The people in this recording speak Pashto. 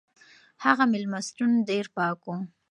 هغه مېلمستون ډېر پاک و.